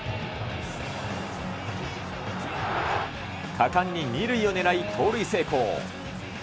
果敢に２塁を狙い、盗塁成功。